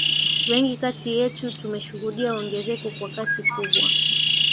wengi kati yetu tumeshuhudia ongezeko kwa kasi kubwa